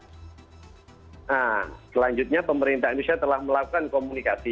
nah selanjutnya pemerintah indonesia telah melakukan komunikasi